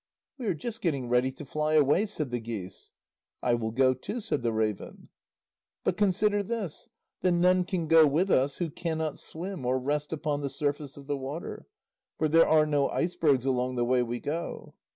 "We are just getting ready to fly away," said the geese. "I will go too," said the raven. "But consider this: that none can go with us who cannot swim or rest upon the surface of the water. For there are no icebergs along the way we go."